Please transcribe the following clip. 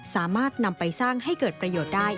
สามารถนำไปสร้างให้เกิดประโยชน์ได้